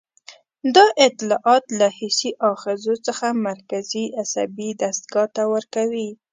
دا اطلاعات له حسي آخذو څخه مرکزي عصبي دستګاه ته ورکوي.